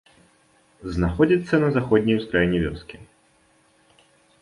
Знаходзіцца на заходняй ускраіне вёскі.